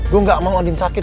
gue gak mau odin sakit